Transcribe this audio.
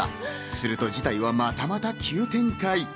すると事態はまたまた急展開。